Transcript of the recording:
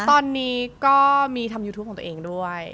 ตอนนี้ก็มีทำยูทูปของตัวเองด้วย